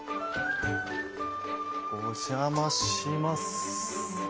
お邪魔します。